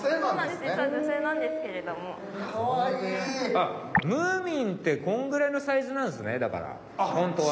あっムーミンってこのぐらいのサイズなんですねだからホントは。